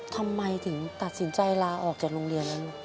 ทำไมถึงตัดสินใจลาออกจากโรงเรียนแล้วลูก